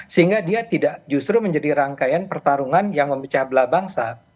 sehingga dia tidak justru menjadi rangkaian pertarungan yang memecah belah bangsa